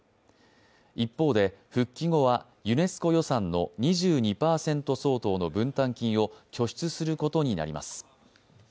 一方で復帰後はユネスコ予算の２２％相当の分担金を拠出することになります。